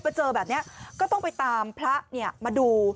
แล้วเจอแบบนี้ก็ต้องไปตามพระเนี่ยมาดู